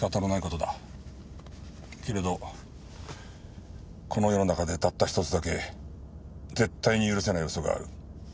けれどこの世の中でたったひとつだけ絶対に許せない嘘がある。